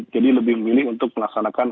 jadi lebih memilih untuk melaksanakan